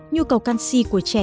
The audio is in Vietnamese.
nhu cầu canxi của trẻ